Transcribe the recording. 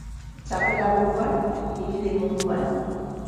Txapela buruan, ibili munduan.